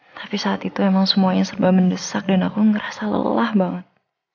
tapi saat itu emang semuanya serba mendesak dan aku ngerasa lelah banget